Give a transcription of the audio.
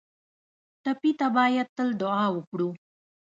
ټپي ته باید تل دعا وکړو